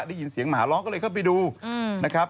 ได้ยินเสียงหมาร้องก็เลยเข้าไปดูนะครับ